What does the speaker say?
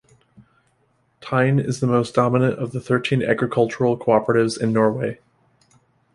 Tine is the most dominant of the thirteen agricultural cooperatives in Norway.